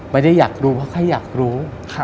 ไม่ได้อยากรู้เพราะแค่อยากรู้